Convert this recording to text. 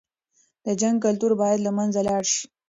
د جنګ کلتور بايد له منځه لاړ شي.